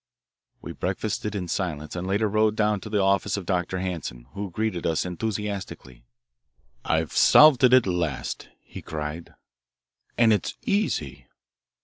We breakfasted in silence and later rode down to the office of Dr. Hanson, who greeted us enthusiastically. "I've solved it at last," he cried, "and it's easy."